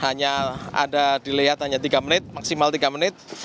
hanya ada dilihat hanya tiga menit maksimal tiga menit